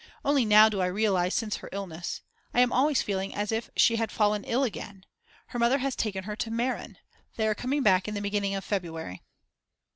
Only now do I realise, since her illness. I am always feeling as if she had fallen ill again. Her mother has taken her to Meran, they are coming back in the beginning of February.